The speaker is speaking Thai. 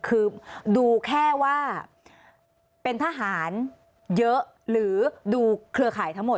คือดูแค่ว่าเป็นทหารเยอะหรือดูเครือข่ายทั้งหมด